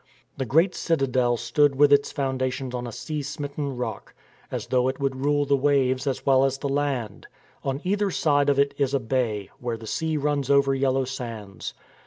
The great citadel stood with its foundations on a sea smitten rock, as though it would rule the waves as well as the land. On either side of it is a bay, where the sea runs over yellow sands.